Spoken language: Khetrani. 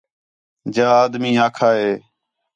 جا آدمی آکھا ہِے